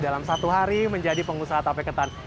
dalam satu hari menjadi pengusaha tape ketan